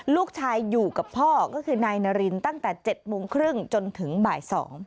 ลูกชายอยู่กับพ่อก็คือนายนารินตั้งแต่๗โมงครึ่งจนถึงบ่าย๒